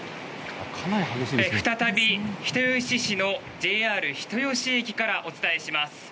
再び人吉市のＪＲ人吉駅からお伝えします。